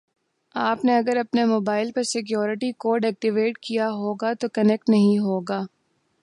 آپ نے اگر اپنے موبائل پر سیکیوریٹی کوڈ ایکٹیو کیا ہوا ہوگا تو کنیکٹ نہیں ہوگا